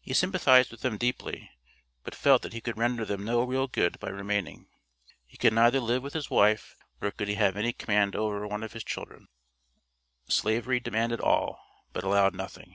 He sympathized with them deeply, but felt that he could render them no real good by remaining; he could neither live with his wife nor could he have any command over one of his children. Slavery demanded all, but allowed nothing.